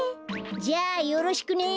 じゃあよろしくね。